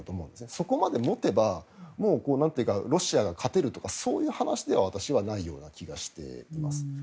そこまで持てばロシアが勝てるとかそういう話では私はないような気がしています。